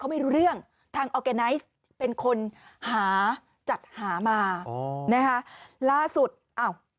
เขาไม่รู้เรื่องทางเป็นคนหาจัดหามาอ๋อนะฮะล่าสุดอ้าว